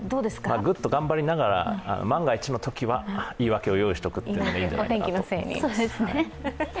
ぐっと頑張りながら、万が一のときは言い訳を用意しておくのがいいんじゃないですか。